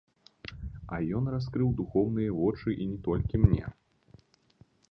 А ён раскрыў духоўныя вочы і не толькі мне.